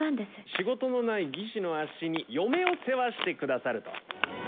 仕事のない技師のあっしに、嫁を世話してくださるとは。